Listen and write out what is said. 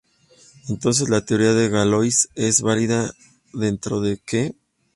Entonces la teoría de Galois es válida dentro de "K".